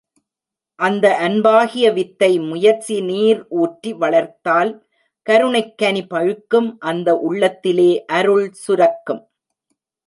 அந்த அன்பாகிய வித்தை முயற்சி நீர் ஊற்றி வளர்த்தால் கருணைக் கனி பழுக்கும் அந்த உள்ளத்திலே அருள் சுரக்கும்.